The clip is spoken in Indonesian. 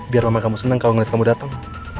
biar mama kamu seneng kalo ngeliat kamu dateng